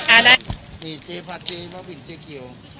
อาโอเคค่ะ